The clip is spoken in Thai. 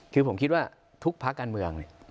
คือผมคิดว่าทุกภาคการเมืองเนี่ย